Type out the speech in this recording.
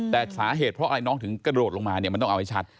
แต่สาเหตุเพราะอะไรน้องถึงกระโดดลงมาเนี่ยมันต้องเอาให้ชัด